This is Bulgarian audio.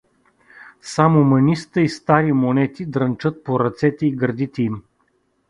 Само мъниста и стари монети дрънчат по ръцете и гърдите им.